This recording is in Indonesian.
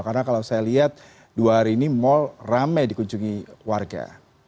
karena kalau saya lihat dua hari ini mal ramai dikunjungi warga